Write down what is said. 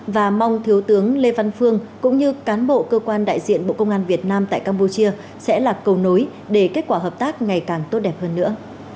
và mong thiếu tướng lê văn phương cũng như cán bộ cơ quan đại diện bộ công an việt nam tại campuchia sẽ là cầu nối để kết quả hợp tác ngày càng tốt đẹp hơn nữa